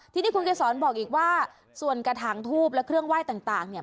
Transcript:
ทีนี้คุณเกษรบอกอีกว่าส่วนกระถางทูบและเครื่องไหว้ต่างเนี่ย